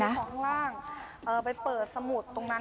ของข้างล่างไปเปิดสมุดตรงนั้น